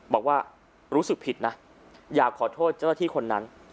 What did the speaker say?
บอกว่ารู้สึกผิดนะอยากขอโทษเจ้าหน้าที่คนนั้น